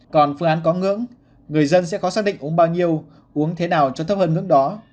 còn phương án có ngưỡng người dân sẽ khó xác định uống bao nhiêu uống thế nào cho thấp hơn ngưỡng đó